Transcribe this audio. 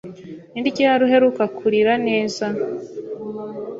Ni ryari uheruka kurira neza?